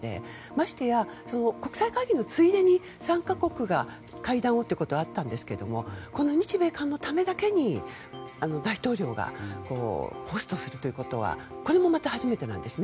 ましてや国際会議のついでに３か国が会談をするということはあったんですが日米韓だけのために大統領がホストするということはこれもまた初めてなんです。